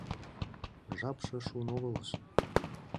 Жапше шуын огылыс...